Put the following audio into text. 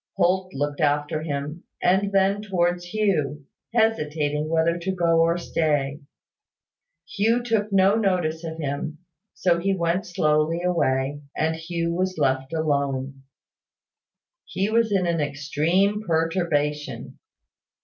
Holt looked after him, and then towards Hugh, hesitating whether to go or stay. Hugh took no notice of him: so he went slowly away, and Hugh was left alone. He was in an extreme perturbation.